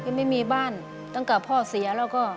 คือไม่มีบ้านตั้งแต่พ่อเสียแล้วก็